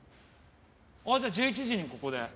じゃあ１１時にここで。